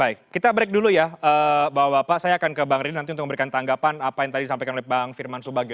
baik kita break dulu ya bapak bapak saya akan ke bang rid nanti untuk memberikan tanggapan apa yang tadi disampaikan oleh bang firman subagio